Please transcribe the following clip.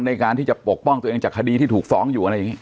ในการที่จะปกป้องตัวเองจากคดีที่ถูกฟ้องอยู่อะไรอย่างนี้